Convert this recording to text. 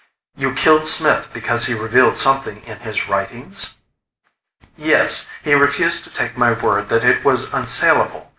"You killed Smith because he revealed something in his writings?" "Yes. He refused to take my word that it was unsalable.